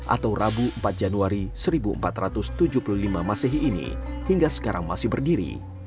atau rabu empat januari seribu empat ratus tujuh puluh lima masehi ini hingga sekarang masih berdiri